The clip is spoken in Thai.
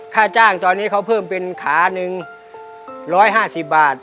ค่าจ้างตอนนี้เขาเพิ่มเป็นขาหนึ่ง๑๕๐บาท